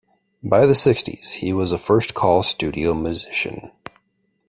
By the sixties, he was a first-call studio musician.